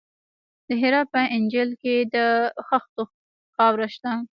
د هرات په انجیل کې د خښتو خاوره شته.